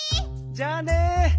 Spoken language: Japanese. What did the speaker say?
じゃあね！